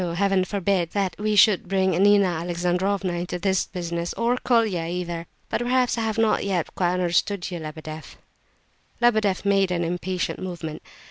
Heaven forbid that we should bring Nina Alexandrovna into this business! Or Colia, either. But perhaps I have not yet quite understood you, Lebedeff?" Lebedeff made an impatient movement.